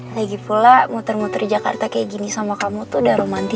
lagi pula muter muter jakarta kayak gini sama kamu tuh udah romantis